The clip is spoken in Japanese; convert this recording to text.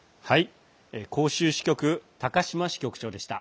広州支局高島支局長でした。